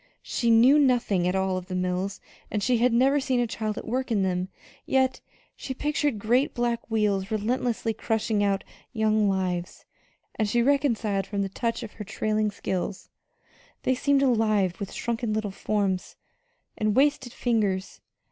She knew nothing at all of the mills, and she had never seen a child at work in them; yet she pictured great black wheels relentlessly crushing out young lives, and she recoiled from the touch of her trailing silks they seemed alive with shrunken little forms and wasted fingers.